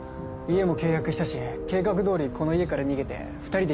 家も契約したし計画どおりこの家から逃げて２人で一緒に暮らそう。